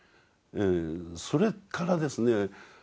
それからですね